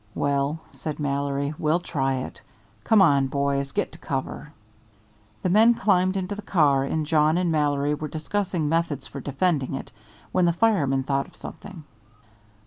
"Well," said Mallory, "we'll try it. Come on, boys, get to cover." The men climbed into the car, and Jawn and Mallory were discussing methods for defending it, when the fireman thought of something.